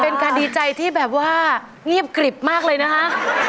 การดีใจที่แบบว่าเงียบกริบมากเลยนะคะ